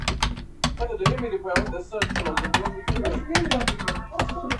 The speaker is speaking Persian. بطرف ِ